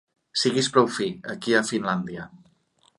Siguis prou fi, aquí i a Finlàndia.